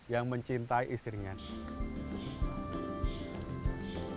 yang mungkin dia mau datang sewan itu akan merupakan ketugaan menjadi orang yang mencintai istrinya